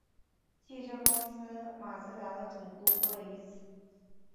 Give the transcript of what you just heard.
汽车公司马自达的总部位于此。